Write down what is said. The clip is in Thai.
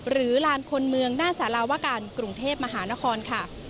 ลานคนเมืองหน้าสารวการกรุงเทพมหานครค่ะ